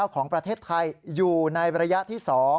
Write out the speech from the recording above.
ของประเทศไทยอยู่ในระยะที่๒